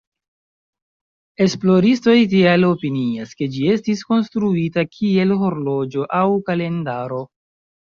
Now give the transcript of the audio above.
Esploristoj tial opinias, ke ĝi estis konstruita kiel horloĝo aŭ kalendaro.